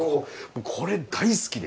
これ大好きで。